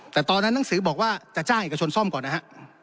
แต่ตอนนั้นหนังสือบอกว่าจะจ้างเอกชนซ่อมก่อนนะฮะ